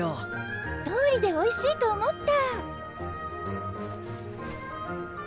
どうりでおいしいと思った。